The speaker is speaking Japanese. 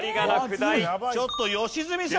ちょっと良純さん！